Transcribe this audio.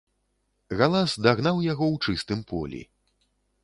Галас дагнаў яго ў чыстым полі.